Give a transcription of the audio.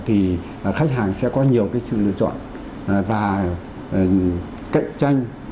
thì khách hàng sẽ có nhiều sự lựa chọn và cạnh tranh